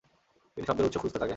তিনি শব্দের উৎস খুঁজতে থাকেন।